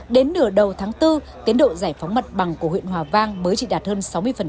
đến nửa đầu tháng bốn tiến độ giải phóng mặt bằng của huyện hòa vang mới chỉ đạt hơn sáu mươi